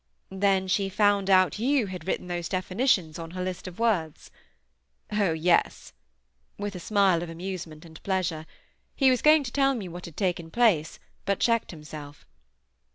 "Then she found out you had written those definitions on her list of words?" "Oh! yes"—with a smile of amusement and pleasure. He was going to tell me what had taken place, but checked himself.